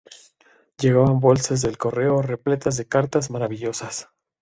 Llegaban bolsas del correo repletas de cartas maravillosas.